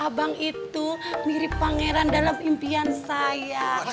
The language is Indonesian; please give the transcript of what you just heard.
abang itu mirip pangeran dalam impian saya